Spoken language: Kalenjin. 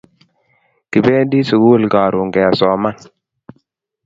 kibendi sukul karun kesoman